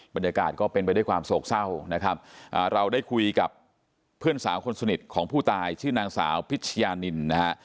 บรรยากาศก็เป็นไปด้วยความโศกเศร้านะครับเราได้คุยกับเพื่อนสาวคนสนิทของผู้ตายชื่อนางสาวพิชยานินนะฮะ